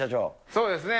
そうですね。